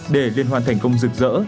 để liên hoan thành công rực rỡ